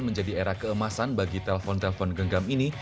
menjadi era keemasan bagi telpon telpon genggam ini